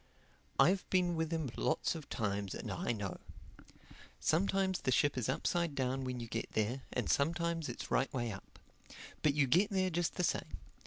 I've been with him lots of times and I know. Sometimes the ship is upside down when you get there, and sometimes it's right way up. But you get there just the same.